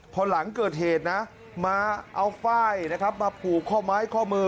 พอหลังเกิดเหตุนะมาเอาฝ้ายนะครับมาผูกข้อไม้ข้อมือ